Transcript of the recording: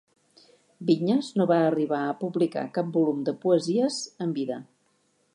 Vinyes no va arribar a publicar cap volum de poesies en vida.